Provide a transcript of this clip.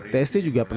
tst juga menjawab